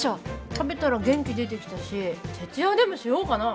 食べたら元気出てきたし徹夜でもしようかなぁ。